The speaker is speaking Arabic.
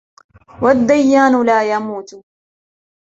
وَالدَّيَّانُ لَا يَمُوتُ